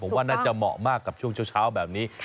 ผมว่าน่าจะเหมาะมากกับช่วงเช้าแบบนี้